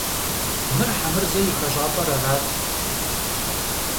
Мыр Хьэмырзэ и хэщӀапӀэр арат.